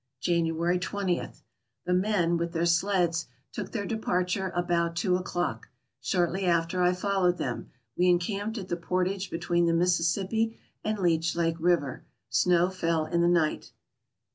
January 20. — The men, with their sleds, took their departure about two o'clock. Shortly after I followed them. We encamped at the portage between the Mississippi and Leech Lake River. Snow fell in the night.